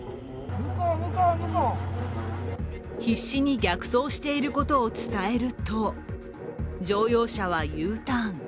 必死に逆走していることを伝えると乗用車はＵターン。